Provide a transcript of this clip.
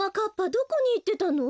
どこにいってたの？